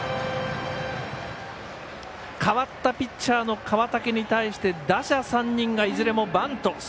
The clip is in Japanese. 代わったピッチャーの川竹に対して打者３人がいずれもバント。